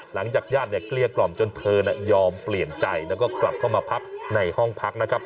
หลังจากญาติเนี่ยเกลี้ยกล่อมจนเธอน่ะยอมเปลี่ยนใจแล้วก็กลับเข้ามาพักในห้องพักนะครับ